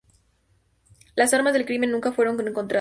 Las armas del crimen nunca fueron encontradas.